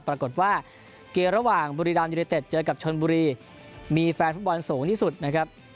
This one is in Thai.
ปรากฏว่าเกมระหว่างบุรีรามยูเนเต็ดเจอกับชนบุรีมีแฟนฟุตบอลสูงที่สุดนะครับ